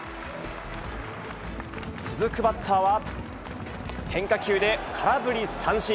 続くバッターは、変化球で空振り三振。